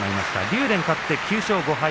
竜電、勝って９勝５敗